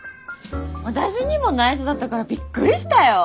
私にも内緒だったからびっくりしたよ。